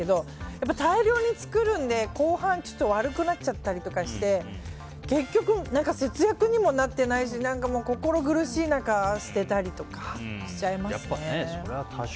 やっぱり大量に作るので後半、悪くなっちゃったりして結局、節約にもなっていないし心苦しい中、捨てたりしますね。